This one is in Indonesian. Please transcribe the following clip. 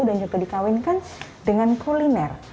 dan juga dikawinkan dengan kuliner